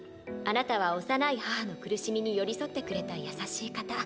あなたは幼い母の苦しみに寄り添ってくれた優しい方。